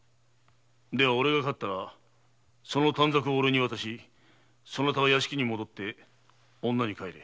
では俺が勝ったらその短冊を俺に渡しそなたは屋敷に戻って女にかえれ。